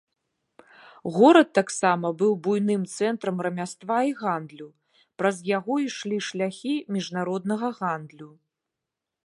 Горад таксама быў буйным цэнтрам рамяства і гандлю, праз яго ішлі шляхі міжнароднага гандлю.